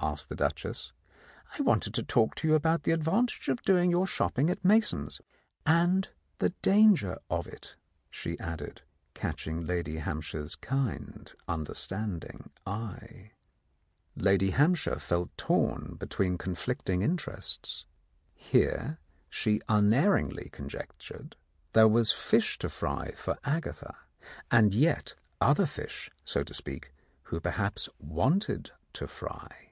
asked the Duchess. "I wanted to talk to you about the ad vantage of doing your shopping at Mason's. And the danger of it," she added, catching Lady Hamp shire's kind understanding eye. Lady Hampshire felt torn between conflicting 18 The Countess of Lowndes Square interests. Here, she unerringly conjectured, there was fish to fry for Agatha, and yet other fish, so to speak, who perhaps wanted to fry.